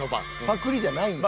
パクリじゃない。